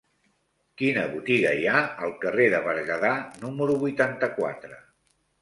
Quina botiga hi ha al carrer de Berguedà número vuitanta-quatre?